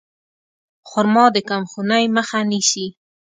خرما د کمخونۍ مخه نیسي.